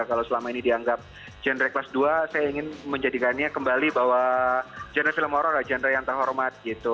kalau selama ini dianggap genre kelas dua saya ingin menjadikannya kembali bahwa genre film horror adalah genre yang terhormat gitu